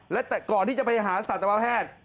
และแต่ก่อนที่จะไปหาสัตวแพทย์